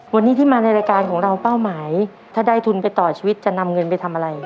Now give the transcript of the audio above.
วันนี้ที่มาในรายการของเราเป้าหมายถ้าได้ทุนไปต่อชีวิตจะนำเงินไปทำอะไร